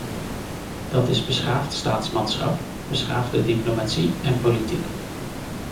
Dat is beschaafd staatsmanschap, beschaafde diplomatie en politiek.